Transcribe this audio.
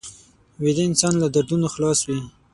ویده انسان له دردونو خلاص وي